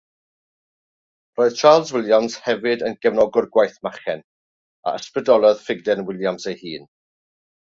Roedd Charles Williams hefyd yn gefnogwr gwaith Machen, a ysbrydolodd ffuglen Williams ei hun.